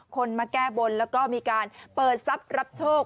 คนมาแก้บนแล้วก็มีการเปิดทรัพย์รับโชค